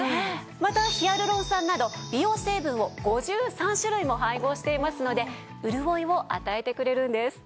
またヒアルロン酸など美容成分を５３種類も配合していますので潤いを与えてくれるんです。